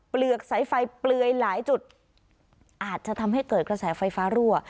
เปลือกสายไฟเปลือยหลายจุดอาจจะทำให้เกิดกระแสไฟฟ้ารั่ว